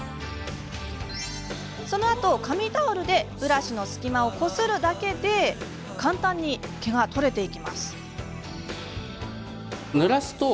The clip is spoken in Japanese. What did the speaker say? そのあと、紙タオルでブラシの隙間をこするだけで簡単に毛が取れていくんです。